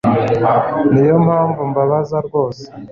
Niyo mpamvu mbabaza rwose